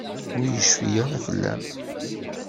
Ur yecfi ara fell-am.